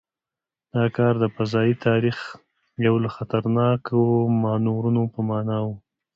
دا کار د فضايي تاریخ یو له خطرناکو مانورونو په معنا و.